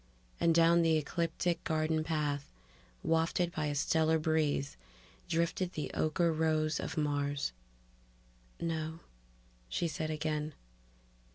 And down the ecliptic garden path, wafted by a stellar breeze, drifted the ocher rose of Mars ... "No," she said again.